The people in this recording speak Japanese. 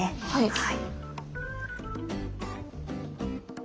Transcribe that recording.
はい。